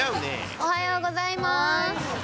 おはようございます。